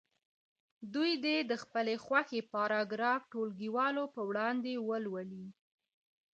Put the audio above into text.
دوی دې د خپلې خوښې پاراګراف ټولګیوالو په وړاندې ولولي.